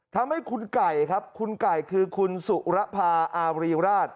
ทำให้คุณไก่ครับคุณไก่คือคุณสุรภาอารีราช